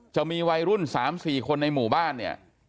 จะมีวัยรุ่น๓๔คนในหมู่บ้านเนี่ย